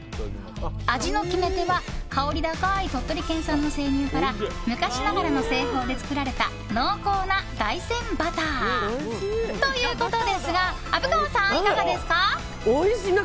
味の決め手は香り高い鳥取県産の生乳から昔ながらの製法で作られた濃厚な大山バター。ということですが虻川さん、いかがですか？